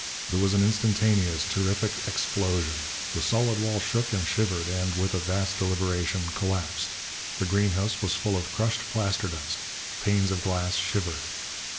There was an instantaneous, terrific explosion. The solid wall shook and shivered and, with a vast deliberation, collapsed. The greenhouse was full of crushed plaster dust. Panes of glass shivered....